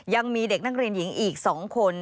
ยังมีเด็กนักเรียนหญิงอีก๒คน